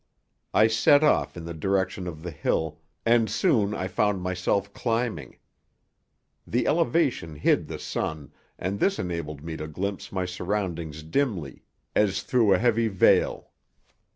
I set off in the direction of the hill, and soon I found myself climbing. The elevation hid the sun, and this enabled me to glimpse my surroundings dimly, as through a heavy veil.